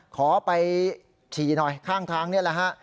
ขอไปขี่หน่อยข้างทางนี่แหละฮะ